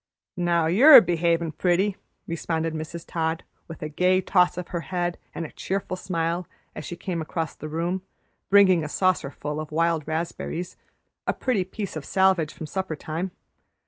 "Now you're behavin' pretty," responded Mrs. Todd, with a gay toss of her head and a cheerful smile, as she came across the room, bringing a saucerful of wild raspberries, a pretty piece of salvage from supper time.